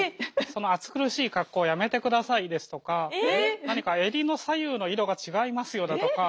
「その暑苦しい格好やめてください」ですとか「何か襟の左右の色が違いますよ」だとか。